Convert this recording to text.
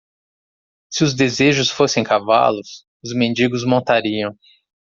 Se os desejos fossem cavalos?, os mendigos montariam.